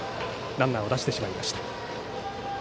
ランナーを出してしまいました。